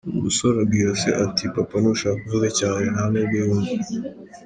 Umusore abwira se ati:"papa nushaka uvuge cyane nta nubwo yumva ".